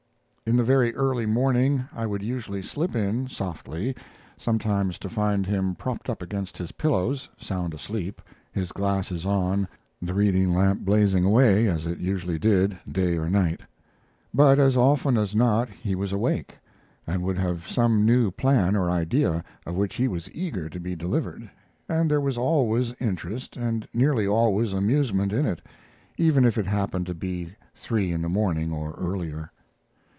In the very early morning I would usually slip in, softly, sometimes to find him propped up against his pillows sound asleep, his glasses on, the reading lamp blazing away as it usually did, day or night; but as often as not he was awake, and would have some new plan or idea of which he was eager to be delivered, and there was always interest, and nearly always amusement in it, even if it happened to be three in the morning or earlier.